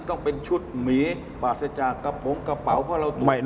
ต้องเป็นชุดหมีปาสาจากระโปรงกระเป๋า